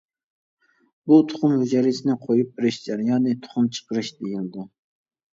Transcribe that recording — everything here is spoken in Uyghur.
بۇ تۇخۇم ھۈجەيرىسىنى قويۇپ بېرىش جەريانى تۇخۇم چىقىرىش دېيىلىدۇ.